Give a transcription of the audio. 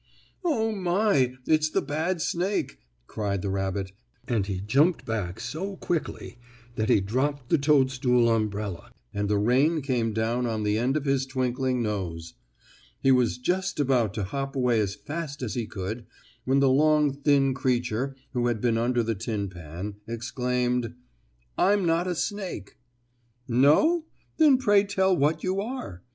"Oh, my! It's the bad snake!" cried the rabbit, and he jumped back so quickly that he dropped his toadstool umbrella and the rain came down on the end of his twinkling nose. He was just about to hop away as fast as he could when the long, thin creature, who had been under the tin pan, exclaimed: "I'm not a snake." "No? Then pray tell what you are?"